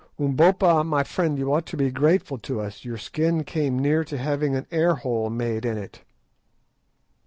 Umbopa, my friend, you ought to be grateful to us; your skin came near to having an air hole made in it."